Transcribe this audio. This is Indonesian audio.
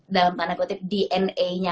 dalam tanda kutip dna nya